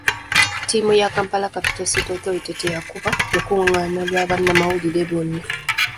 Ttiimu ya Kampala Capital City Authority teyakuba lukungaana lwa bannamawulire lwonna.